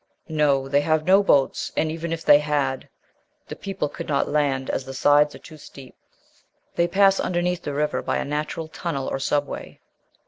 'No; they have no boats; and even if they had, the people could not land, as the sides are too steep: they pass underneath the river by a natural tunnel, or subway.'